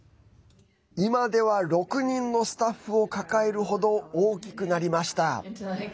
今では６人のスタッフを抱える程大きくなりました。